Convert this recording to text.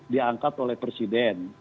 diangkat oleh presiden